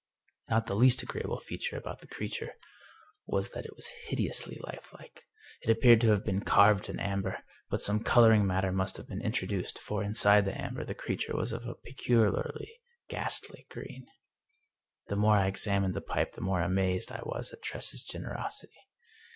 Not the least agreeable feature about the creature was that it was hideously lifelike. It appeared to have been carved in amber, but some coloring matter must have been introduced, for inside the amber the creature was of a peculiarly ghastly green. The more I examined the pipe the more amazed I was at Tress's generosity.